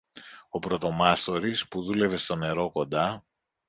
Ο πρωτομάστορης που δούλευε στο νερό κοντά